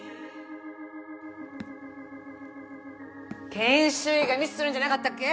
研修医がミスするんじゃなかったっけ？